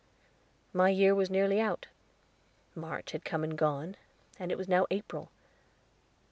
My year was nearly out; March had come and gone, and it was now April.